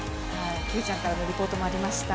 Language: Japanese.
Ｑちゃんからのリポートもありました。